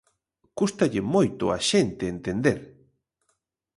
Cústalle moito á xente entender.